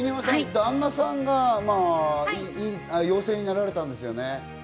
旦那さんが陽性になられたんですよね。